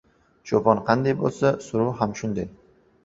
• Cho‘pon qanday bo‘lsa, suruv ham shunday.